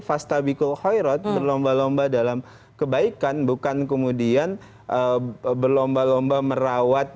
fastabikul hoirot berlomba lomba dalam kebaikan bukan kemudian berlomba lomba merawat